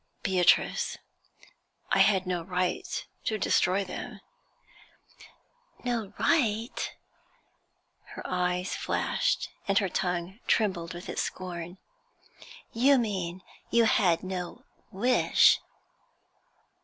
'Beatrice, I had no right to destroy them.' 'No right!' Her eyes flashed, and her tongue trembled with its scorn. 'You mean you had no wish.'